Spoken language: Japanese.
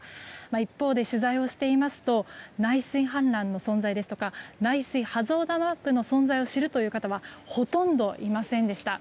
一方で取材をしていますと内水氾濫の存在ですとか内水ハザードマップの存在を知るという方はほとんどいませんでした。